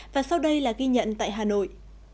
và sau đây là ghi nhận tại hà nội